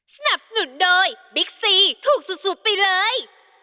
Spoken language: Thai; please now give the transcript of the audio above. สนับสนุนโดยบิ๊กซีถูกสุดไปเลย